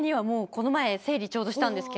この前整理ちょうどしたんですけど。